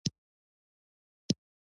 بیلچې او کلنګ د دې وسایلو مهمې برخې وې.